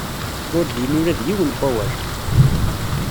Ur d-yenni ula d yiwen n wawal.